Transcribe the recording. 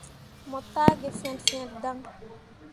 Mo taa gi fet fet dan.